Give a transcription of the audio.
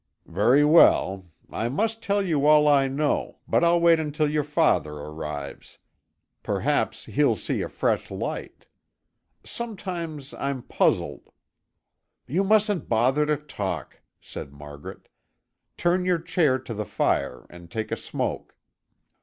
"Very well. I must tell you all I know, but I'll wait until your father arrives. Perhaps he'll see a fresh light. Sometimes I'm puzzled " "You mustn't bother to talk," said Margaret. "Turn your chair to the fire and take a smoke."